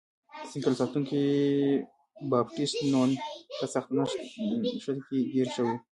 د ځنګل ساتونکی بابټیست نون په سخته نښته کې ګیر شوی و.